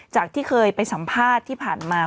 จากที่เคยไปสัมภาษณ์ที่ผ่านมา